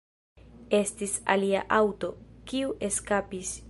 Estis alia aŭto, kiu eskapis.